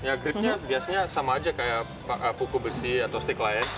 ya gripnya biasanya sama aja kayak kuku besi atau stick lain